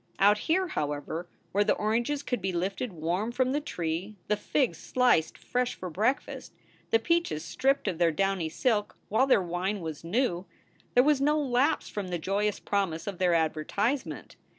Out here, however, where the oranges could be lifted warm from the tree, the figs sliced fresh for breakfast, the peaches stripped of their downy silk while their wine was new, there was no lapse from the joyous promise of their advertisement.